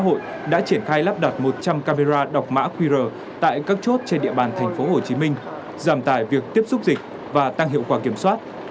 xã hội đã triển khai lắp đặt một trăm linh camera đọc mã qr tại các chốt trên địa bàn thành phố hồ chí minh giảm tài việc tiếp xúc dịch và tăng hiệu quả kiểm soát